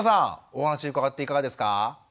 お話伺っていかがですか？